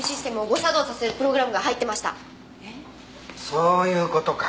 そういう事か。